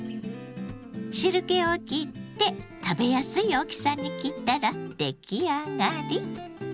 汁けをきって食べやすい大きさに切ったらできあがり。